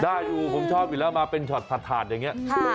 ได้อยู่ด้วยผมชอบก็จริงแล้วมีกันมาเป็นช็อตผัดถ่านอย่างเนี่ย